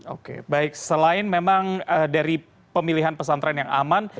oke baik selain memang dari pemilihan pesantren yang aman